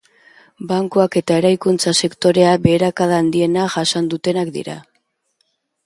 Bankuak eta eraikuntza sektorea beherakada handiena jasan dutenak dira.